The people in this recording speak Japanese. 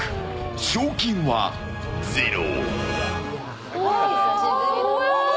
賞金はゼロ。